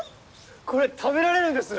これ食べられるんです！